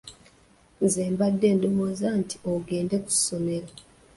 Nze mbadde ndowooza nti ogende ku ssomero.